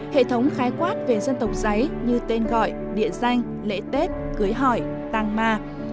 hệ thống khái quát về dân tộc giấy như tên gọi địa danh lễ tết cưới hỏi tàng ma